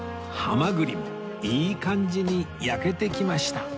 ハマグリもいい感じに焼けてきました